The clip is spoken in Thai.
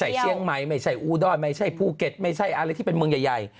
แต่เชียงใหม่ไม่ใช่อุดรไม่ใช่ภูเก็ตไม่ใช่อะไรที่เป็นเมืองใหญ่